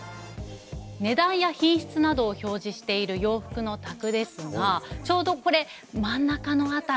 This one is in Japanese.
値段や品質などを表示している洋服のタグですがちょうどこれ真ん中の辺り。